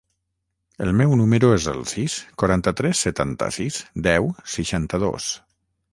El meu número es el sis, quaranta-tres, setanta-sis, deu, seixanta-dos.